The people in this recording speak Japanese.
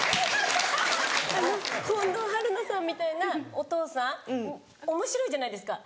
近藤春菜さんみたいなお父さんおもしろいじゃないですか。